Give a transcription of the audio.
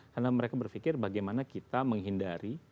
karena mereka berpikir bagaimana kita menghindari